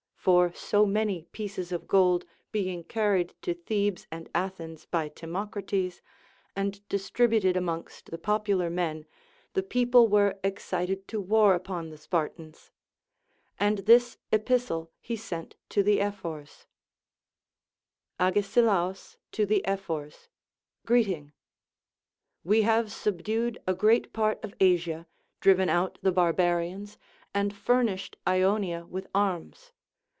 For so many pieces of gold being carried to Thebes and Athens by Timocrates, and distributed amongst the popular men, the people were excited to war upon the Spartans. And this epistle he sent to the Ephors :— Agesilaus to the Ephors, Greeting. AVe have subdued a great part of Asia, driven out the barbarians, and furnished Ionia with arms.